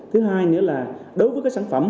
thứ hai nữa là đối với các sản phẩm